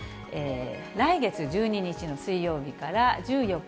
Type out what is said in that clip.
来月１２日の水曜日から１４日